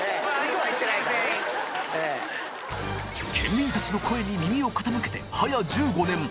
県民たちの声に耳を傾けて早や１５年。